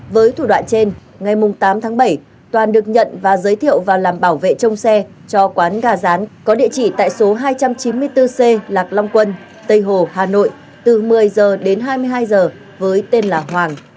với thủ đoạn trên ngày tám tháng bảy toàn được nhận và giới thiệu và làm bảo vệ trông xe cho quán gà rán có địa chỉ tại số hai trăm chín mươi bốn c lạc long quân tây hồ hà nội từ một mươi h đến hai mươi hai h với tên là hoàng